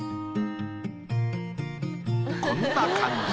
こんな感じ。